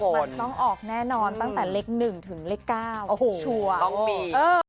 มันต้องออกแน่นอนตั้งแต่เล็ก๑ถึงเล็ก๙ต้องมี